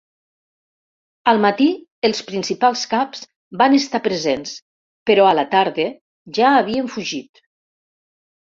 Al matí els principals caps van estar presents però a la tarda ja havien fugit.